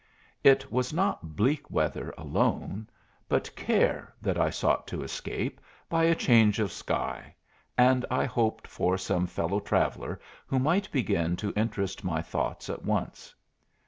It was not bleak weather alone, but care, that I sought to escape by a change of sky; and I hoped for some fellow traveller who might begin to interest my thoughts at once.